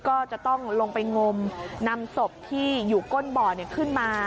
ก็จะต้องลงไปงมนำศพที่อยู่ก้นบ่อขึ้นมา